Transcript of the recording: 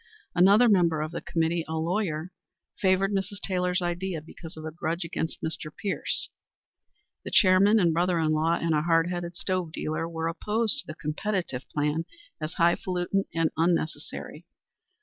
Another member of the committee, a lawyer, favored Mrs. Taylor's idea because of a grudge against Mr. Pierce. The chairman and brother in law, and a hard headed stove dealer, were opposed to the competitive plan as highfalutin and unnecessary.